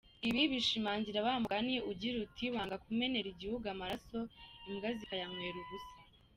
Ibi bishimangira wa mugani ugira uti``Wanga kumenera igihugu amaraso, imbwa zikayanywera ubusa’’.